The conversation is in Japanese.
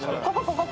ここ！